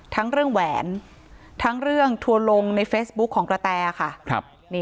ทั้งเรื่องแหวนทั้งเรื่องทัวร์ลงในเฟซบุ๊คของกระแตค่ะ